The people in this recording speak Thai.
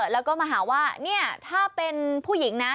แล้วก็มาหาว่าเนี่ยถ้าเป็นผู้หญิงนะ